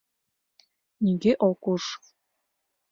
Нигӧ ок уж.